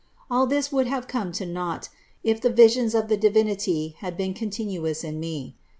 All this would have come to nought, if the visions of the Divinity had been continuous in me.